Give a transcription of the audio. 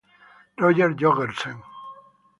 Roger Jorgensen